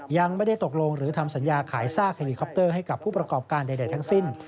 ยังไม่ได้ตกลงหรือทำสัญญาขายซากเฮลิคอปเตอร์ให้กับผู้ประกอบการใดทั้งสิ้น